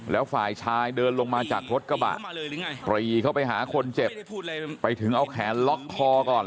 แล้วฝ่ายชายเดินลงมาจากรถกระบะปรีเข้าไปหาคนเจ็บไปถึงเอาแขนล็อกคอก่อน